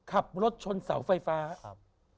ขับรถชนเสาไฟฟ้า